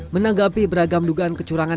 menanggapi beragam dugaan kecurangan